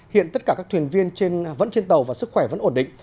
hiện tất cả các thuyền viên vẫn trên tàu và sức khỏe vẫn ổn định